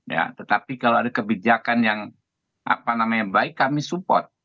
ya tetapi kalau ada kebijakan yang baik kami support